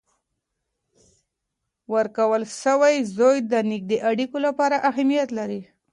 ورکول سوی زوی د نږدې اړیکو لپاره اهمیت لري.